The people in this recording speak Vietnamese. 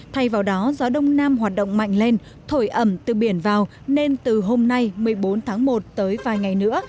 thay vào đó gió đông nam hoạt động mạnh lên thổi ẩm từ biển vào nên từ hôm nay một mươi bốn tháng một tới vài ngày nữa